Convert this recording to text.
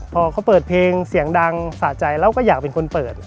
พอเขาเปิดเพลงเสียงดังสะใจแล้วก็อยากเป็นคนเปิด